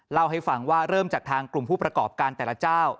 เล่าให้ฟังว่าเริ่มจากทางกลุ่มผู้ประกอบการแต่ละเจ้า